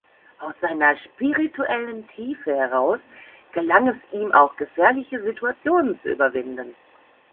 Aus seiner spirituellen Tiefe heraus gelang es ihm, auch gefährliche Situationen zu überwinden.